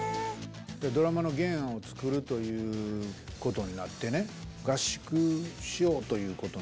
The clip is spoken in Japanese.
ドラマの原案を作るということになってね、合宿しようということに。